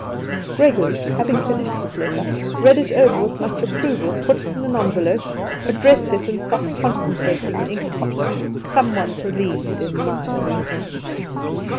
Gregory having finished this letter, read it over with much approval, put it in an envelope, addressed it, and sat contemplating the inkpot, somewhat relieved in mind.